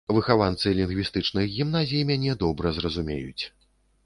Выхаванцы лінгвістычных гімназій мяне добра зразумеюць.